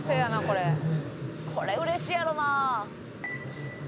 「これ嬉しいやろな」